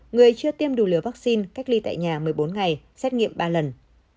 người chưa tiêm đủ liều vaccine cách ly tại nhà một mươi bốn ngày xét nghiệm ba lần